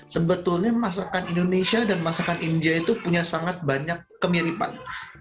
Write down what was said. sebetulnya masakan indonesia dan masakan india itu punya sangat banyak kemiripan